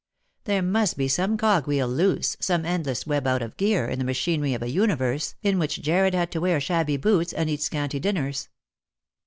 There must be some cog wheel loose, some endless web out of gear, in the machinery of a uni verse in which Jarred had to wear shabby boots and eat scanty dinners.